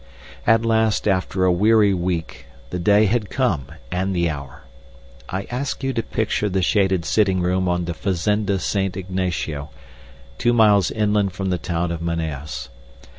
At last, after a weary week, the day had come and the hour. I ask you to picture the shaded sitting room of the Fazenda St. Ignatio, two miles inland from the town of Manaos.